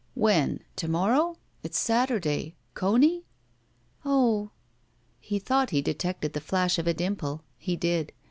"When? To morrow? It's Saturday! Conor?" "Oh!" He thought he detected the flash of a dimple. He did.